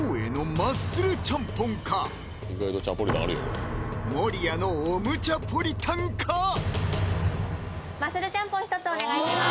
マッスルちゃんぽん１つお願いします